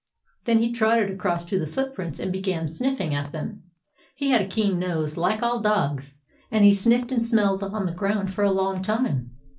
Then he trotted across to the foot prints and began sniffing at them. He had a keen nose like all dogs, and he sniffed and smelled on the ground for a long time.